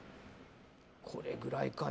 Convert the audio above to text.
これくらいかな？